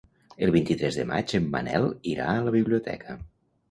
El vint-i-tres de maig en Manel irà a la biblioteca.